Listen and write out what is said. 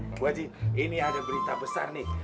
bu haji ini ada berita besar nih